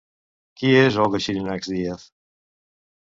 Qui és Olga Xirinacs Díaz?